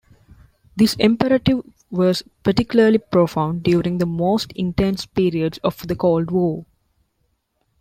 This imperative was particularly profound during the most intense periods of the Cold War.